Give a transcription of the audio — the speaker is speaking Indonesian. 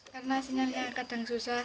karena sinyalnya kadang susah